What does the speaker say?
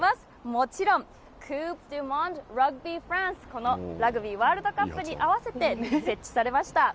もちろん、このラグビーワールドカップに合わせて、設置されました。